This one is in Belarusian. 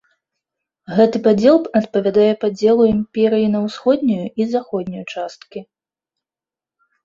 Гэты падзел адпавядае падзелу імперыі на усходнюю і заходнюю часткі.